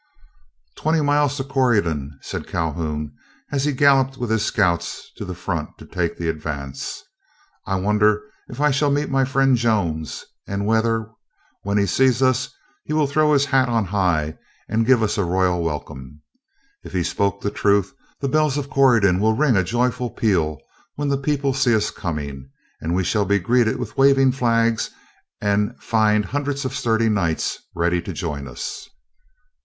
"Twenty miles to Corydon," said Calhoun, as he galloped with his scouts to the front to take the advance. "I wonder if I shall meet my friend Jones, and whether, when he sees us, he will throw his hat on high, and give us a royal welcome? If he spoke the truth, the bells of Corydon will ring a joyful peal when the people see us coming, and we shall be greeted with waving flags, and find hundreds of sturdy Knights ready to join us."